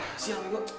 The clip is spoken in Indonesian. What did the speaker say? kasih ya minggu